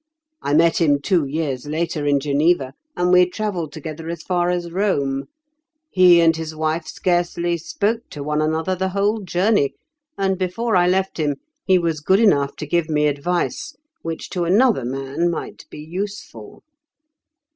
I met him two years later in Geneva, and we travelled together as far as Rome. He and his wife scarcely spoke to one another the whole journey, and before I left him he was good enough to give me advice which to another man might be useful.